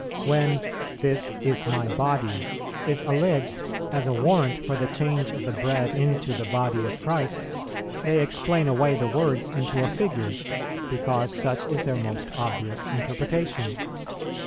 When "This is My Body" is alleged as a warrant for the change of the Bread into the Body of Christ, they explain away the words into a figure, because such is their most obvious interpretation.